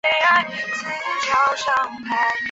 赴岳州托庇于湖南军阀赵恒惕。